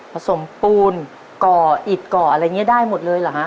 สมปูนก่ออิดก่ออะไรอย่างนี้ได้หมดเลยเหรอฮะ